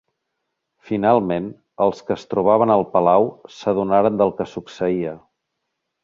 Finalment els que es trobaven al Palau s'adonaren del que succeïa.